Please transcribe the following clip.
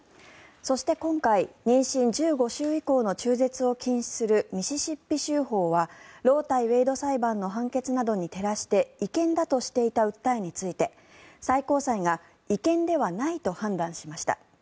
そして、今回、妊娠１５週以降の中絶を禁止するミシシッピ州法はロー対ウェイド裁判の判決などに照らして違憲だとしていた訴えについて最高裁が違憲ではないと判断しました。